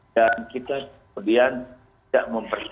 dan kita kemudian tidak mempercaya